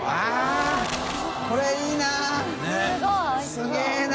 すげぇな。